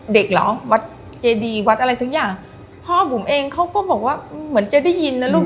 เหรอวัดเจดีวัดอะไรสักอย่างพ่อบุ๋มเองเขาก็บอกว่าเหมือนเจ๊ได้ยินนะลูก